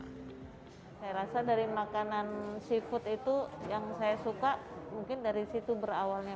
saya rasa dari makanan seafood itu yang saya suka mungkin dari situ berawalnya